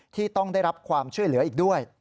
ที่ต้องได้รับความช่วยเหลืออีกด้วย